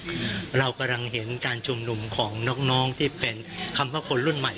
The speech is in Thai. เรากำลังเห็นการชุมนุมของน้องน้องที่เป็นคำว่าคนรุ่นใหม่